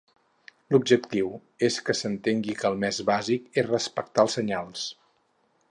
L'objectiu és que s'entengui que el més bàsic és respectar els senyals.